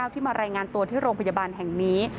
ที่มารายงานตัวที่โรงพยาบาลแห่งนี้